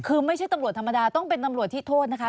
คือไม่ใช่ตำรวจธรรมดาต้องเป็นตำรวจที่โทษนะคะ